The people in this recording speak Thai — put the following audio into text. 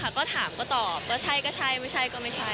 ก็ไม่ค่ะก็ถามก็ตอบว่าใช่ก็ใช่ไม่ใช่ก็ไม่ใช่